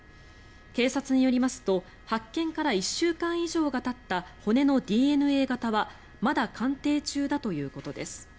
警察によりますと発見から１週間以上がたった骨のＤＮＡ型はまだ鑑定中だということです。